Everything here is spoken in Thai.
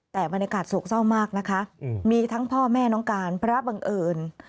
แต่บรรยากาศโศกเศร้ามากนะคะมีทั้งพ่อแม่น้องการพระบังเอิญ